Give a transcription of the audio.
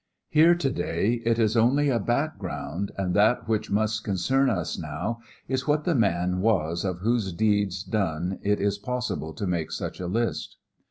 Here to day it is only a background, and that which most concern us now is what the man was of whose deeds done it is possible to make such a list.